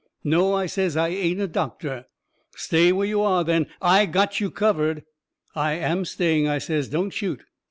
"No," I says, "I ain't a doctor." "Stay where you are, then. I GOT YOU COVERED." "I am staying," I says, "don't shoot."